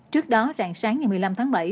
trước đó rạng sáng ngày một mươi năm tháng bảy